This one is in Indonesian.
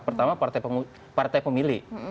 pertama partai pemilih